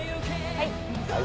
はい。